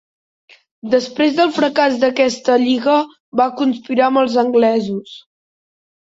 Després del fracàs d'aquesta lliga, va conspirar amb els anglesos.